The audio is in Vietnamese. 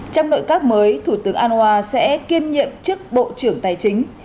trong nội các mới thủ tướng anwa sẽ kiêm nhiệm chức bộ trưởng tài chính